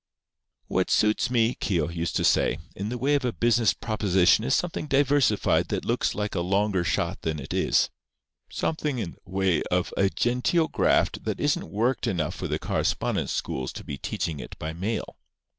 "What suits me," Keogh used to say, "in the way of a business proposition is something diversified that looks like a longer shot than it is—something in the way of a genteel graft that isn't worked enough for the correspondence schools to be teaching it by mail.